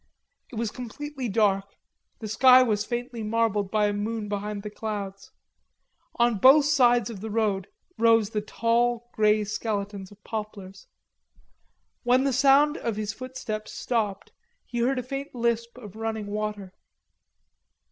It was completely dark, the sky was faintly marbled by a moon behind the clouds. On both sides of the road rose the tall grey skeletons of poplars. When the sound of his footsteps stopped, he heard a faint lisp of running water.